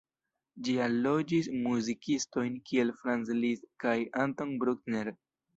Ĝi allogis muzikistojn kiel Franz Liszt kaj Anton Bruckner.